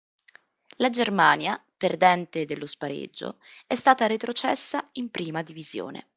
La Germania, perdente dello spareggio, è stata retrocessa in Prima Divisione.